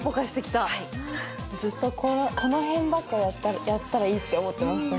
ずっとこの辺ばっかやったらいいって思ってましたね。